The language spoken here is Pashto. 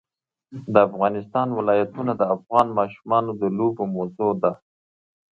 د افغانستان ولايتونه د افغان ماشومانو د لوبو موضوع ده.